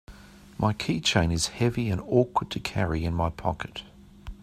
My keychain is heavy and awkward to carry in my pocket.